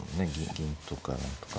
銀とか何とか。